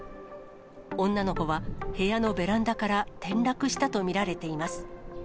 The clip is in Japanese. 女の子は、部屋のベランダから転落したと見られています。